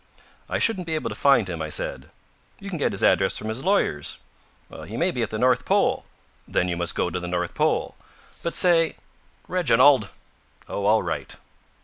"I shouldn't be able to find him," I said. "You can get his address from his lawyers." "He may be at the North Pole." "Then you must go to the North Pole." "But say !" "Reginald!" "Oh, all right."